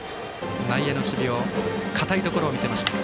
内野の守備堅いところを見せました。